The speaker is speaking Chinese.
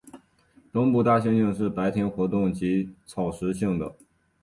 东部大猩猩是白天活动及草食性的。